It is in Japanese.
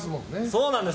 そうなんです。